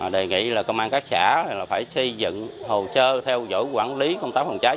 đề nghị là công an các xã phải xây dựng hồ sơ theo dõi quản lý công tác phòng cháy